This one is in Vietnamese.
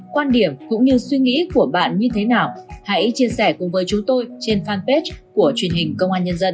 quan điểm cũng như suy nghĩ của bạn như thế nào hãy chia sẻ cùng với chúng tôi trên fanpage của truyền hình công an nhân dân